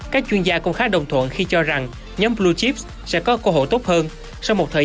các chuyên gia cũng khá đồng thuận khi cho rằng nhóm blue chips sẽ có cơ hội tốt hơn sau một thời